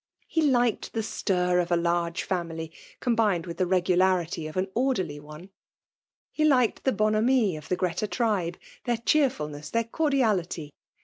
He liked the stir of a large family; combined with the regularity of an orderly ona He liked the bonhommie of the Greta tribe — their dieerfufaieas — their cordiality.